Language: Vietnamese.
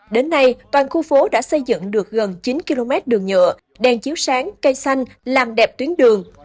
đến nay toàn khu phố đã xây dựng được gần chín km đường nhựa đèn chiếu sáng cây xanh làm đẹp tuyến đường